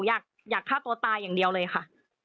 อยากฆ่าตัวตายอย่างเดียวเลยค่ะ